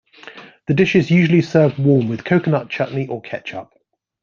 The dish is usually served warm with coconut chutney or ketchup.